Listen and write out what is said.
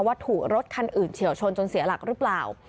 ว่าถูกรถคันอื่นเฉียวชนจนเสียหลักหรือเปล่า